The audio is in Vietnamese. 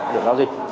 để giao dịch